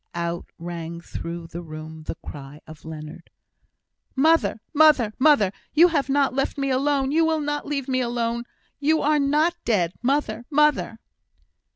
Out rang through the room the cry of Leonard: "Mother! mother! mother! You have not left me alone! You will not leave me alone! You are not dead! Mother! Mother!"